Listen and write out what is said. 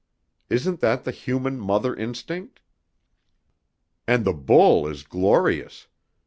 Isn't that the human mother instinct? And the bull is glorious!